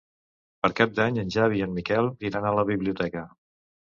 Per Cap d'Any en Xavi i en Miquel iran a la biblioteca.